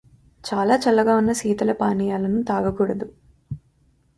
చాలా చల్లగా ఉన్న శీతల పానీయాలను తాగకూడదు.